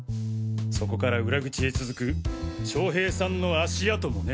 そこから裏口へ続く将平さんの足跡もね。